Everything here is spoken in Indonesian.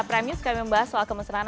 prime news kami membahas soal kemesraan